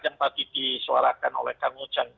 yang tadi disuarakan oleh kang ujang